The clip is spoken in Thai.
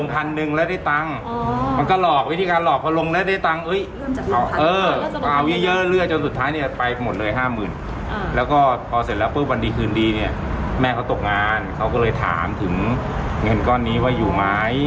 แล้วก็พอเสร็จแล้วปุ๊บวันดีคืนดีเนี่ยแม่เขาตกงานเขาก็เลยถามถึงเงินก้อนนี้ว่าอยู่ไหม